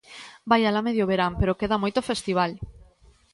Vai alá medio verán, pero queda moito festival.